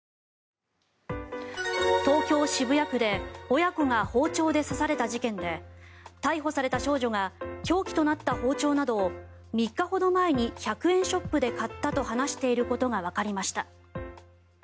東京・渋谷区で親子が包丁で刺された事件で逮捕された少女が凶器となった包丁などを３日ほど前に１００円ショップで買ったと話していることがわかりました。